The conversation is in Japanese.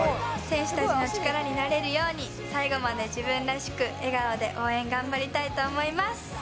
選手たちの力になれるように、最後まで自分らしく、笑顔で応援頑張りたいと思います。